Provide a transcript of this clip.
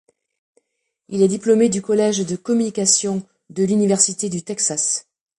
Il est diplômé du Collège de communication de l'Université du Texas.